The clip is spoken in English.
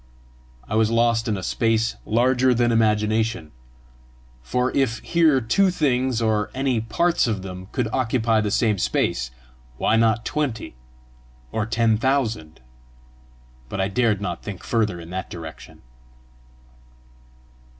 I was lost in a space larger than imagination; for if here two things, or any parts of them, could occupy the same space, why not twenty or ten thousand? But I dared not think further in that direction.